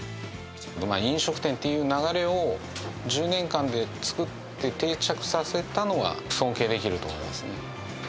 飲食店っていう流れを１０年間で作って定着させたのが、尊敬できると思いますね。